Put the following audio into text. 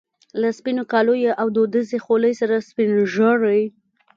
له سپینو کاليو او دودیزې خولۍ سره سپینږیری.